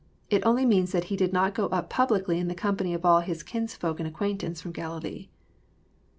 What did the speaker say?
It only means that He did not go up publicly in the company of ail '' His kinsfolk and acquaintance*' from Galilee.